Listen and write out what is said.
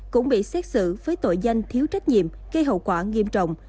cũng bị xét xử với tội danh thiếu trách nhiệm gây hậu quả nghiêm trọng